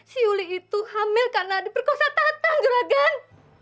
si yuli itu hamil karena diperkosa tatang juragan